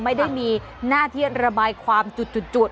ไม่ได้มีหน้าที่ระบายความจุด